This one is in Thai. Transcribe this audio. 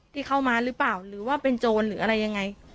ที่เข้ามาหรือเปล่าหรือว่าเป็นโจรหรืออะไรยังไง